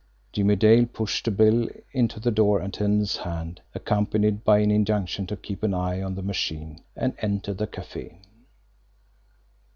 Jimmie Dale pushed a bill into the door attendant's hand, accompanied by an injunction to keep an eye on the machine, and entered the cafe.